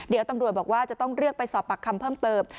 เดี๋ยวตำรวจบอกว่าจะต้องเรียกไปสอบปากคำเพิ่มเติม